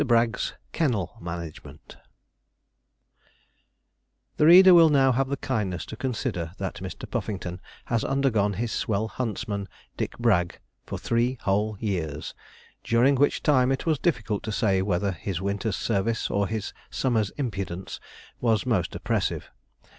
BRAGG'S KENNEL MANAGEMENT The reader will now have the kindness to consider that Mr. Puffington has undergone his swell huntsman, Dick Bragg, for three whole years, during which time it was difficult to say whether his winter's service or his summer's impudence was most oppressive.